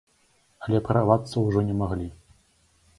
Але прарвацца ўжо не маглі.